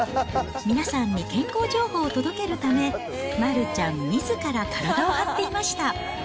皆さんに健康情報を届けるため、丸ちゃんみずから体を張っていました。